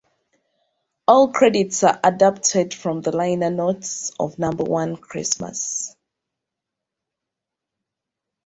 All credits are adapted from the liner notes of "Number One Christmas".